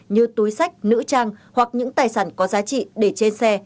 như túi sách nữ trang hoặc những tài sản có giá trị để trên xe